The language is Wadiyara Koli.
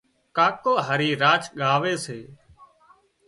ڪاڪو هارِي راچ ڳاوي سي